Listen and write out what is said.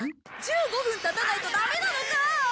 １５分経たないとダメなのか！